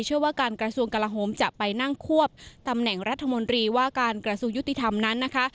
ว่าการกระทรวงกลาโฮมจะไปนั่งควบตำแหน่งรัฐมนตรีว่าการกระทรวงยุติธรรมนั้นนะคะ